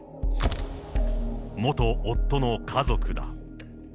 元夫の家族だ。